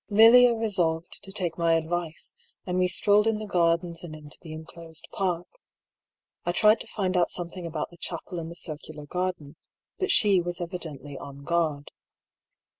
Lilia resolved to take my advice, and we strolled in the gardens and into the enclosed park. I tried to find out something about the chapel in the circular garden, but she was evidently on guard.